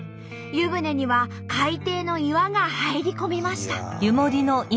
湯船には海底の岩が入り込みました。